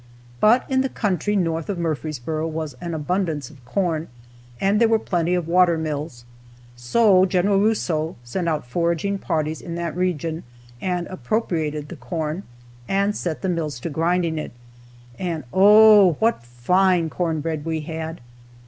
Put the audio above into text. But in the country north of Murfreesboro was an abundance of corn, and there were plenty of water mills, so Gen. Rousseau sent out foraging parties in that region and appropriated the corn, and set the mills to grinding it, and oh, what fine cornbread we had!